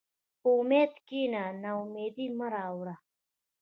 په امید کښېنه، ناامیدي مه راوړه.